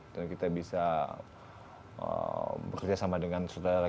dan kita bisa bekerja sama dengan saudara